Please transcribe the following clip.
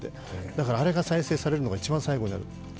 だからあれが再生されるのが一番最後になる。